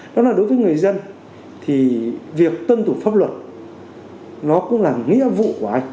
đó là đối với người dân thì việc tân tụ pháp luật nó cũng là nghĩa vụ của anh